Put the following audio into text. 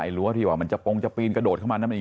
ยันคลุงมาถึงด้านรองเรียนเลย